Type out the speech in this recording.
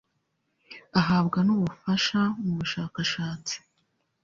ahabwa n ubufasha mu bushakashatsi